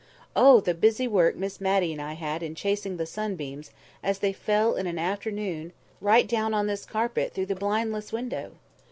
Oh, the busy work Miss Matty and I had in chasing the sunbeams, as they fell in an afternoon right down on this carpet through the blindless window!